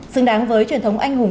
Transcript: xứng đáng với truyền thống anh hùng